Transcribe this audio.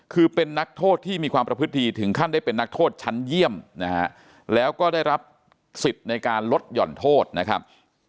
คือเป็นนักโทษที่มีความประพฤติถึงขั้นได้เป็นนักโทษชั้นเยี่ยมนะฮะแล้วก็ได้รับสิทธิ์ในการลดหย่อนโทษนะครับ